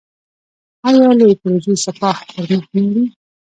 آیا لویې پروژې سپاه پرمخ نه وړي؟